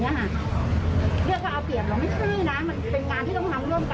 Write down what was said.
ใช่ไหม